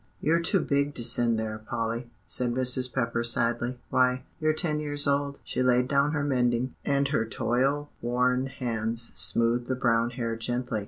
"You're too big to send there, Polly," said Mrs. Pepper sadly; "why, you're ten years old." She laid down her mending, and her toil worn hands smoothed the brown hair gently.